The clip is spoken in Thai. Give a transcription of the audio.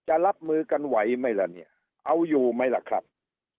รับมือกันไหวไหมล่ะเนี่ยเอาอยู่ไหมล่ะครับ